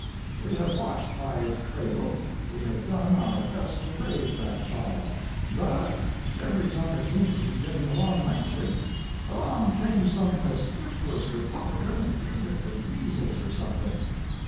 ] We have watched by its cradle, we have done our best to raise that child; but every time it seemed to be getting along nicely along came some pestiferous Republican and gave it the measles or something.